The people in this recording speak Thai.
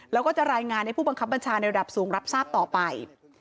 แล้วก็จะรายงานให้ผู้บังคับบัญชาในระดับสูงรับทราบต่อไป